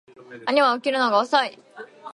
兄は起きるのが遅い